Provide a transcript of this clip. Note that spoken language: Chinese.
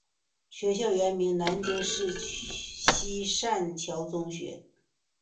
学校原名南京市西善桥中学。